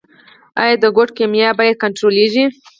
آیا د کود کیمیاوي بیه کنټرولیږي؟